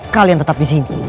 kalian tetap di sini